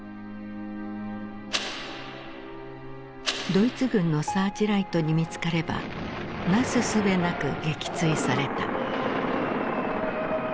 ドイツ軍のサーチライトに見つかればなすすべなく撃墜された。